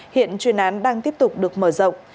hiện truyền án đang tiếp tục được mở rộng